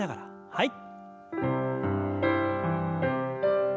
はい。